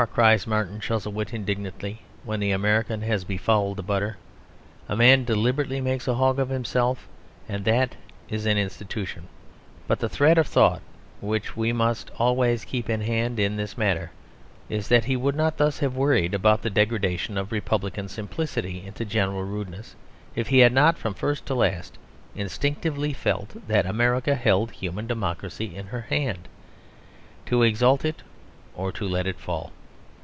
cries Martin Chuzzlewit indignantly, when the American has befouled the butter. "A man deliberately makes a hog of himself and that is an Institution." But the thread of thought which we must always keep in hand in this matter is that he would not thus have worried about the degradation of republican simplicity into general rudeness if he had not from first to last instinctively felt that America held human democracy in her hand, to exalt it or to let it fall.